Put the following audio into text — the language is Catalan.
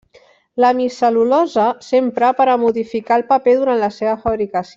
L'hemicel·lulosa s'empra per a modificar el paper durant la seva fabricació.